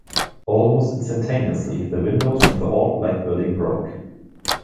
Almost instantaneously, the windows from the old black building broke.